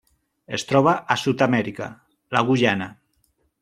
Es troba a Sud-amèrica: la Guyana.